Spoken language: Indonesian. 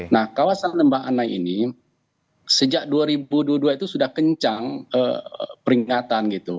nah kawasan lembah ana ini sejak dua ribu dua puluh dua itu sudah kencang peringatan gitu